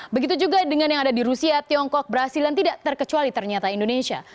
begitu juga dengan yang ada di rusia tiongkok brazil dan tidak terkecuali ternyata indonesia